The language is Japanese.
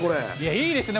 いいですね。